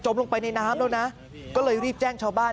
ลงไปในน้ำแล้วนะก็เลยรีบแจ้งชาวบ้าน